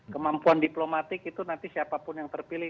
kemampuan diplomatik itu nanti siapapun yang terpilih